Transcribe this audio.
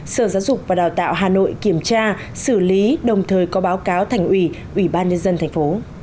sở giáo dục và đào tạo hà nội kiểm tra xử lý đồng thời có báo cáo thành ủy ubnd tp